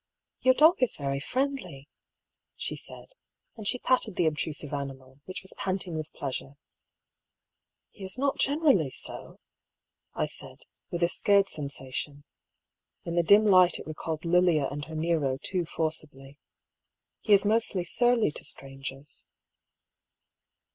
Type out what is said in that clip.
" Your dog is very friendly," she said, and she patted the obtrusive animal, which was panting with pleasure. " He is not generally so," I said, with a scared sensa tion. In the dim light it recalled Lilia and her Nero too forcibly. " He is mostly surly to strangers."